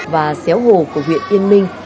và xéo hồ của huyện yên minh